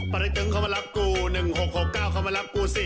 ประตึงเขามารับกูหนึ่งหกหกเก้าเขามารับกูสิ